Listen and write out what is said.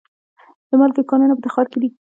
د مالګې کانونه په تخار کې دي